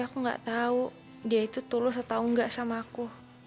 tapi aku gak tau dia itu tulus atau enggak sama aku